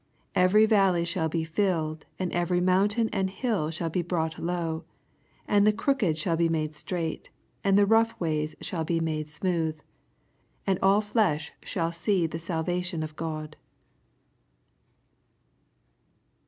5 Every valley shall be filled, and every mountun and hill shall be brought low; and the crooked shall be made strught, and the lOugh ways shaU be made smooth ; 6 And all flesh shaJl see the salva< tionofGod.